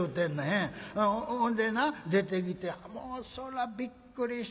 ほんでな出てきてもうそらびっくりしたで。